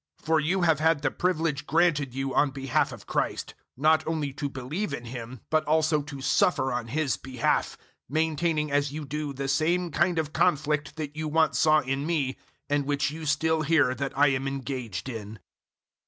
001:029 For you have had the privilege granted you on behalf of Christ not only to believe in Him, but also to suffer on His behalf; 001:030 maintaining, as you do, the same kind of conflict that you once saw in me and which you still hear that I am engaged in.